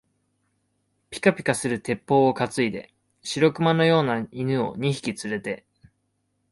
ぴかぴかする鉄砲をかついで、白熊のような犬を二匹つれて、